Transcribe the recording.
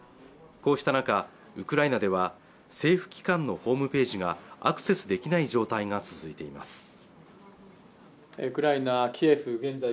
こうした中ウクライナでは政府機関のホームページがアクセスできない状態が続いています